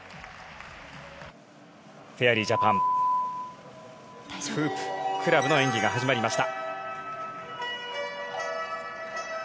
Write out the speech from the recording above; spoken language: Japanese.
フェアリージャパン、フープ、クラブの演技が始まりました。